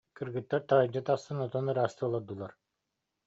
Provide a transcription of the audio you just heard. Кыргыттар таһырдьа тахсан отон ыраастыы олордулар